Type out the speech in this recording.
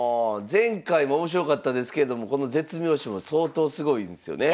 前回も面白かったですけれどもこの絶妙手も相当すごいですよね。